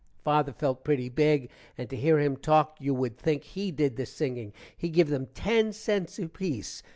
father felt pretty big and to hear him talk you wood think he did the singing. he give them ten cents apeace.